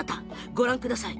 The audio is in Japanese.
ご覧ください！